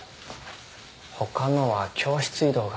他のは教室移動が。